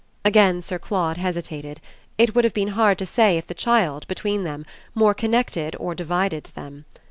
Again Sir Claude hesitated; it would have been hard to say if the child, between them, more connected or divided them.